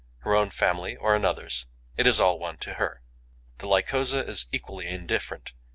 Her own family or another's: it is all one to her. The Lycosa is equally indifferent.